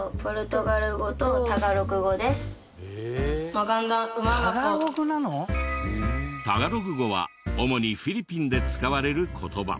「マガンダンウマガポ」タガログ語は主にフィリピンで使われる言葉。